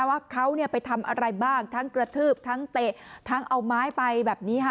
ว่าเขาไปทำอะไรบ้างทั้งกระทืบทั้งเตะทั้งเอาไม้ไปแบบนี้ค่ะ